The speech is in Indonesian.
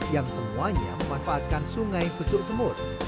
yang semuanya memanfaatkan sungai besuk semut